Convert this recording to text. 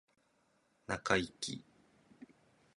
中イキ